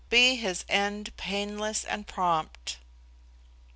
Be his end painless and prompt.